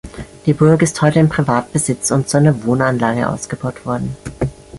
Die Burg ist heute in Privatbesitz und zu einer Wohnanlage ausgebaut worden.